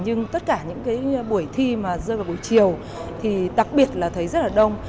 nhưng tất cả những buổi thi mà rơi vào buổi chiều thì đặc biệt là thấy rất là đông